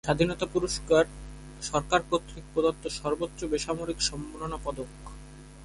স্বাধীনতা পুরস্কার বাংলাদেশ সরকার কর্তৃক প্রদত্ত সর্বোচ্চ বেসামরিক সম্মাননা পদক।